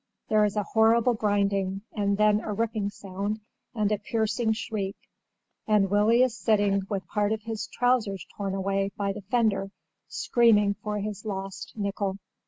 There is a horrible grinding and then a ripping sound, and a piercing shriek, and Willie is sitting, with part of his trousers torn away by the fender, screaming for his lost nickel.